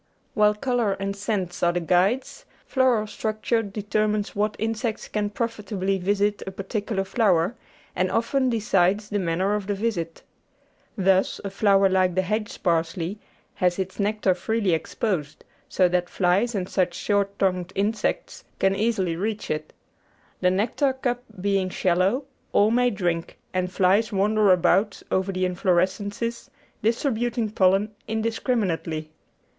While colour and scent are the guides, floral structure deter mines what insects can profitably visit a particular flower, and often decides the manner of the visit. Thus a flower like the hedge parsley has its nectar freely exposed so that flies and such short tongued insects can easily reach it; the nectar cup being shallow all may drink, and flies wander about over the inflor escences distributing pollen indiscriminately.